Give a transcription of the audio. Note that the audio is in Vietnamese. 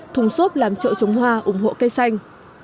thùng xốp làm trậu trống hoa ủng hộ cây xanh